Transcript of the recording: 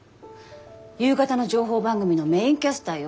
夕方の情報番組のメインキャスターよ。